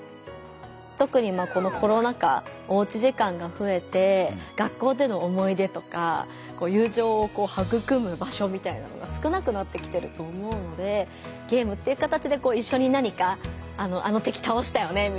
とくにこのコロナ禍おうち時間がふえて学校での思い出とか友情をはぐくむ場所みたいなのが少なくなってきてると思うのでゲームっていう形で一緒に何か「あの敵倒したよね」